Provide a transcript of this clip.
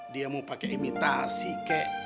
dia mau pakai imitasi kek